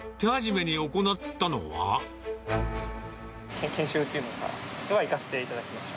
研修というのには行かせていただきました。